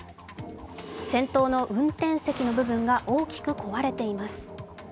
先頭の運転席の部分が大きく壊れています。